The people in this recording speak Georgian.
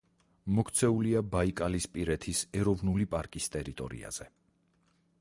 მოქცეულია ბაიკალისპირეთის ეროვნული პარკის ტერიტორიაზე.